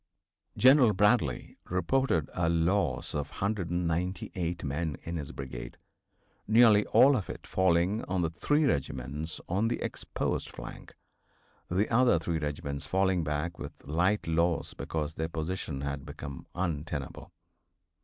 General Bradley reported a loss of 198 men in his brigade, nearly all of it falling on the three regiments on the exposed flank, the other three regiments falling back with light loss because their position had become untenable.